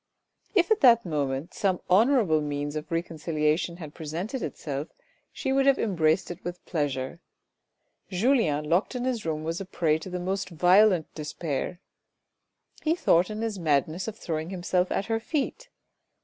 If at that moment some honourable means of reconcilia tion had presented itself, she would have embraced it with pleasure. Julien locked in his room was a prey to the most violent despair. He thought in his madness of throwing himself at her feet.